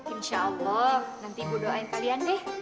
insya allah nanti ibu doain kalian deh